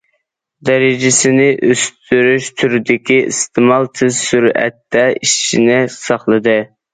دەرىجىسىنى ئۆستۈرۈش تۈرىدىكى ئىستېمال تېز سۈرئەتتە ئېشىشنى ساقلىدى.